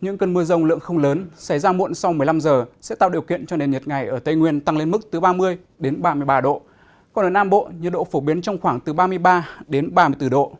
những cơn mưa rông lượng không lớn xảy ra muộn sau một mươi năm giờ sẽ tạo điều kiện cho nền nhiệt ngày ở tây nguyên tăng lên mức từ ba mươi đến ba mươi ba độ còn ở nam bộ nhiệt độ phổ biến trong khoảng từ ba mươi ba đến ba mươi bốn độ